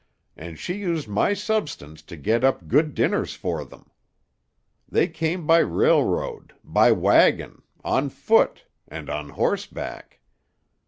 "And she used my substance to get up good dinners for them. They came by railroad. By wagon. On foot. And on horseback.